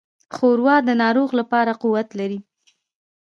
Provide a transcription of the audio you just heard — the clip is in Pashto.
ښوروا د ناروغ لپاره قوت لري.